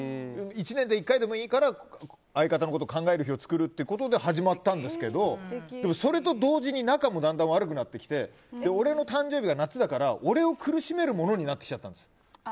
１年で１回でもいいから相方のことを考える日を作るということで始まったんですけどそれと同時に仲もだんだん悪くなってきてで、俺の誕生日が夏だから俺を苦しめるものになってきちゃったんです。